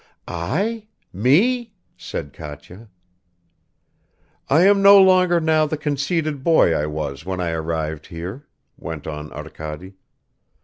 "I ...? Me ...?" said Katya. "I am no longer now the conceited boy I was when I arrived here," went on Arkady.